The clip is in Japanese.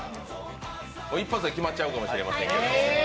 一発で決まっちゃうかもしれません。